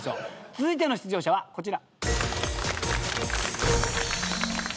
続いての出場者はこちら。